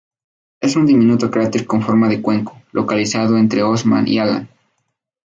Es un diminuto cráter con forma de cuenco, localizado entre Osman y Alan.